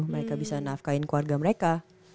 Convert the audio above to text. mereka bisa nafkahin keluarga mereka